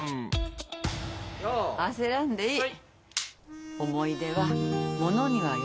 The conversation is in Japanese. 焦らんでいい。